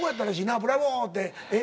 「ブラボー！」ってええ